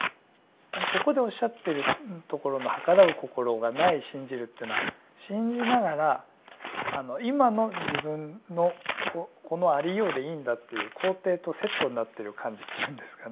でもここでおっしゃってるところのはからう心がない信じるというのは信じながら今の自分のこのありようでいいんだっていう肯定とセットになってる感じというんですかね。